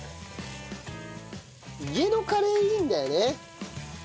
家のカレーいいんだよね。